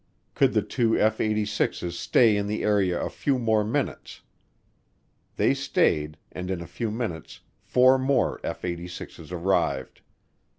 Could the two F 86's stay in the area a few more minutes? They stayed and in a few minutes four more F 86's arrived.